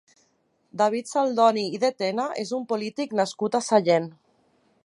David Saldoni i de Tena és un polític nascut a Sallent.